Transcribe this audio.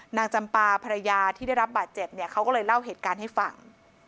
จำปาภรรยาที่ได้รับบาดเจ็บเนี่ยเขาก็เลยเล่าเหตุการณ์ให้ฟัง